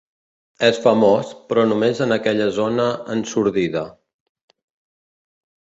És famós, però només en aquella zona ensordida.